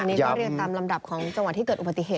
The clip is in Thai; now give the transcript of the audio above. อันนี้ก็เรียงตามลำดับของจังหวัดที่เกิดอุบัติเหตุ